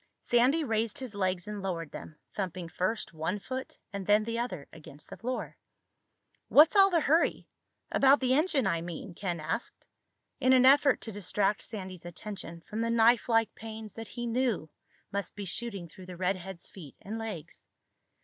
Sandy raised his legs and lowered them, thumping first one foot and then the other against the floor. "What's all the hurry—about the engine, I mean?" Ken asked, in an effort to distract Sandy's attention from the knifelike pains that he knew must be shooting through the redhead's feet and legs.